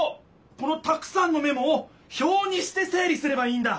このたくさんのメモをひょうにして整理すればいいんだ！